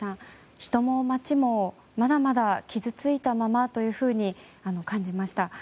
人も街もまだまだ傷ついたままというふうに感じました。